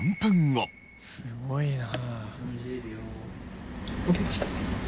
「すごいな」